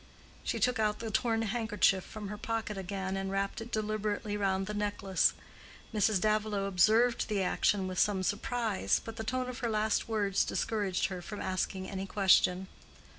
She took out the torn handkerchief from her pocket again, and wrapped it deliberately round the necklace. Mrs. Davilow observed the action with some surprise, but the tone of her last words discouraged her from asking any question.